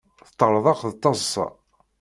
Teṭṭerḍeq d taḍsa.